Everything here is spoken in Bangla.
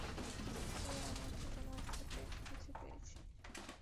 সে আমাকে তোমার সাথে খুঁজে পেয়েছে।